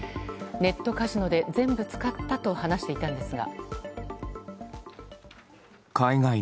ネットカジノで全部使ったと話していたんですが。